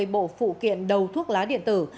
một trăm hai mươi bộ phụ kiện đầu thuốc lá điện tử